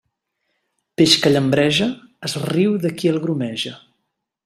Peix que llambreja es riu de qui el grumeja.